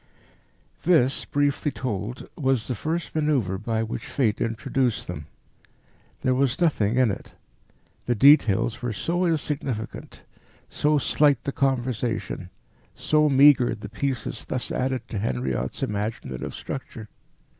This, briefly told, was the first manoeuvre by which Fate introduced them. There was nothing in it. The details were so insignificant, so slight the conversation, so meagre the pieces thus added to Henriot's imaginative structure.